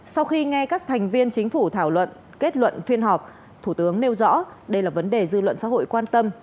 sau khi nghe các thành viên chính phủ thảo luận kết luận phiên họp thủ tướng nêu rõ đây là vấn đề dư luận xã hội quan tâm